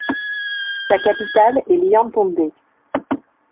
Sa capitale est Lyantonde.